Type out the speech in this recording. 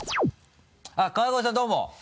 あっ川越さんどうも。